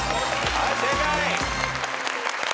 はい正解。